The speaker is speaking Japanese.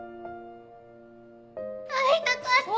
会いたかった！